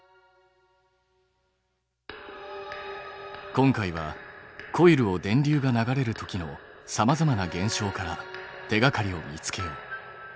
今回はコイルを電流が流れるときのさまざまな現象から手がかりを見つけよう。